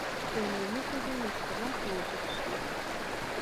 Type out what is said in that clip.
د عمومي ښېګڼو اختلاف موجب شي.